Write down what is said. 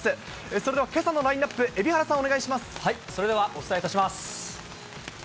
それではけさのラインナップ、それではお伝えいたします。